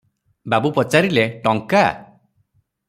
ବାବୁ ପଚାରିଲେ- ଟଙ୍କା?